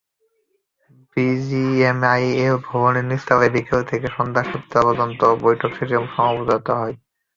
BGMEA ভবনের নিচতলায় বিকেল থেকে সন্ধ্যা সাতটা পর্যন্ত বৈঠক শেষে সমঝোতা হয়।